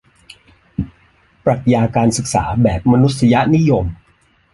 ปรัชญาการศึกษาแบบมนุษยนิยม